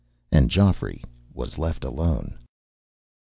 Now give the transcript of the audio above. And Geoffrey was left alone.